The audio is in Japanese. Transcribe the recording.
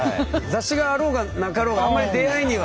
雑誌があろうがなかろうがあんまり出会いには。